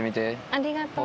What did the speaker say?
ありがとう。